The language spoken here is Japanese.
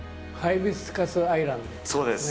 そうです！